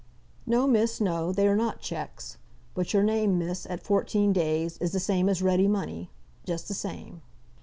"No, miss, no; they are not cheques. But your name, miss, at fourteen days, is the same as ready money; just the same."